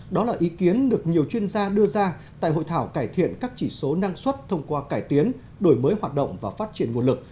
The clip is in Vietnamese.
đó là ý kiến được nhiều chuyên gia đưa ra tại hội thảo cải thiện các chỉ số năng suất thông qua cải tiến đổi mới hoạt động và phát triển nguồn lực